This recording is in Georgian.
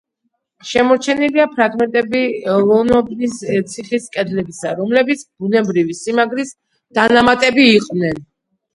შემორჩენილია ფრაგმენტები ლოწობნის ციხის კედლებისა, რომლებიც ბუნებრივი სიმაგრის დანამატები იყვნენ.